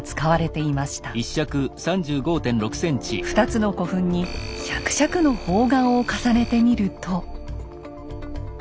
２つの古墳に１００尺の方眼を重ねてみると。